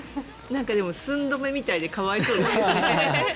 でも、寸止めみたいで可哀想ですね。